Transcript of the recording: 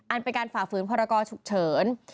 อันเป็นการฝ่าฝืนพรกรฉุกเฉิน